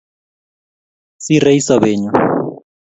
Sirei sobenyu